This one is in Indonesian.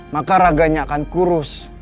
maka raganya akan kurus